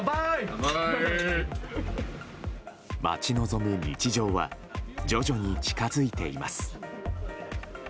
待ち望む日常は徐々に近づいています。